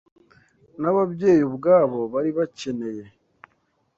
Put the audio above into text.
N’ababyeyi ubwabo bari bakeneye